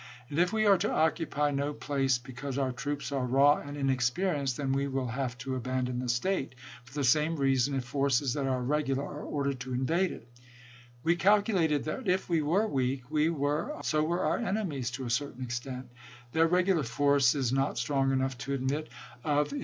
And if we are to occupy no place because our troops are raw and inexperienced, then we will have to abandon the State, for the same reason, if forces that are regular are ordered to invade it. We calculated that if we were weak, so were our enemies to a certain extent. Their regular force is not strong enough to admit of im 122 ABRAHAM LINCOLN Pickens to Simons, Jan. 2, 1861.